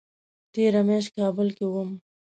تېره میاشت کابل کې وم